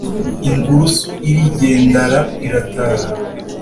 ingurusu irigendara irataha